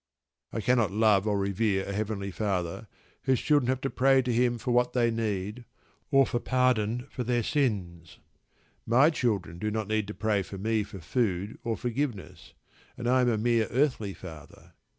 I cannot love nor revere a "Heavenly Father" whose children have to pray to Him for what they need, or for pardon for their sins. My children do not need to pray to me for food or forgiveness; and I am a mere earthly father.